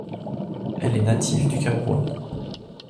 Elle est native du Cameroun.